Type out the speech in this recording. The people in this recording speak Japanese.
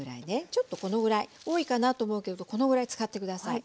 ちょっと多いかなと思うけどこのぐらい使って下さい。